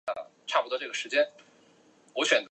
郭氏墓石祠原是室外的露天建筑。